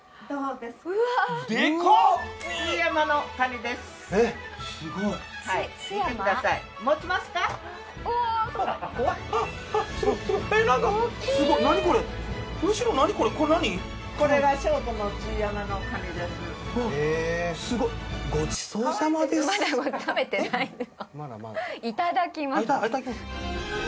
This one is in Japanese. あっいただきます。